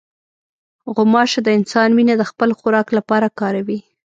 غوماشه د انسان وینه د خپل خوراک لپاره کاروي.